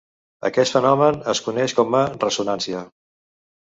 Aquest fenomen es coneix com a ressonància.